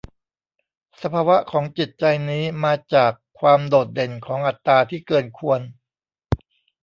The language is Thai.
สภาวะของจิตใจนี้มาจากความโดดเด่นของอัตตาที่เกินควร